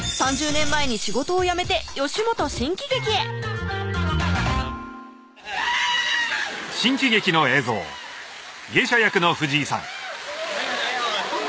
３０年前に仕事を辞めて吉本新喜劇へキャーッ！